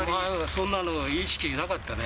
そんなの意識なかったね。